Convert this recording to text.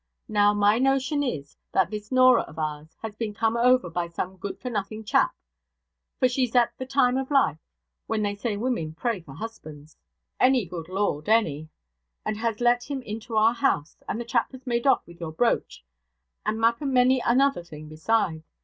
Now, my notion is, that this Norah of ours has been come over by some good for nothing chap (for she's at the time o' life when they say women pray for husbands "any, good Lord, any") and has let him into our house, and the chap has made off with your brooch, and m'appen many another thing beside.